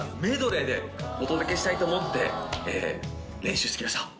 でお届けしたいと思って練習して来ました。